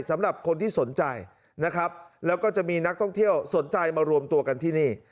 สำหรับคนที่สนใจนะครับแล้วก็จะมีนักท่องเที่ยวสนใจมารวมตัวกันที่นี่